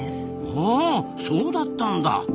はあそうだったんだ。